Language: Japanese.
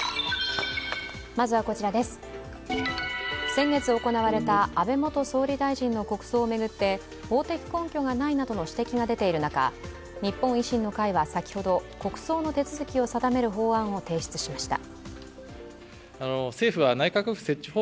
先月行われた安倍元総理大臣の国葬を巡って法的根拠がないなどの指摘が出ている中、日本維新の会は先ほど国葬の手続きを定める法案を提出しました。